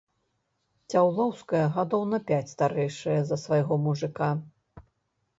Цяўлоўская гадоў на пяць старэйшая за свайго мужыка.